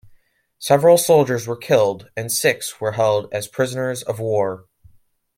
Several soldiers were killed and six were held as prisoners of war.